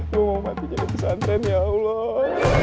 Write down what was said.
gue mau mati jadi pesantren ya allah